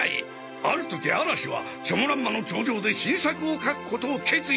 ある時嵐はチョモランマの頂上で新作を描くことを決意する！